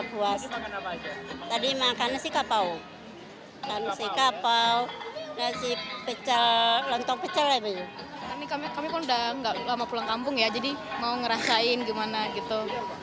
kami kan sudah tidak lama pulang kampung ya jadi mau ngerasain gimana gitu